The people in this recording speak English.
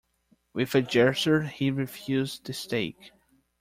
With a gesture he refused the stake.